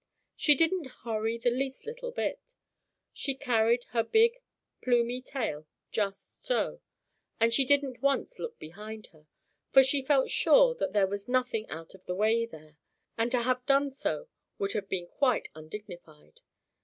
She didn't hurry the least little bit. She carried her big, plumey tail just so. And she didn't once look behind her, for she felt sure that there was nothing out of the way there, and to have done so would have been quite undignified.